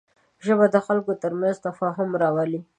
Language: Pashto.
ژبه د خلکو تر منځ تفاهم راولي